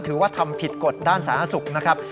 ถือว่าทำผิดกฎด้านสหสุทธิ์นะครับ